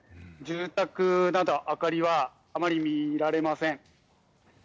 住宅など明かりはあまり見られません。